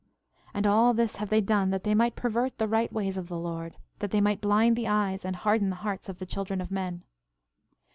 13:27 And all this have they done that they might pervert the right ways of the Lord, that they might blind the eyes and harden the hearts of the children of men.